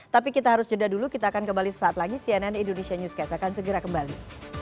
tapi kita harus jeda dulu kita akan kembali sesaat lagi cnn indonesia newscast akan segera kembali